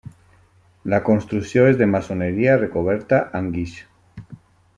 La construcció és de maçoneria recoberta amb guix.